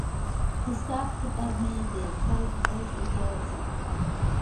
حساب کتاب مې د کال په پای کې بیا وڅارلو.